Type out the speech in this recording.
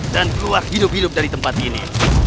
dan keluar hidup hidup dari tempat ini